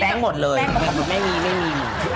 แป้งหมดเลยไม่มีหมู